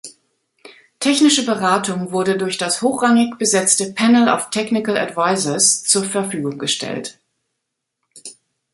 Technische Beratung wurde durch das hochrangig besetzte Panel of Technical Advisors zur Verfügung gestellt.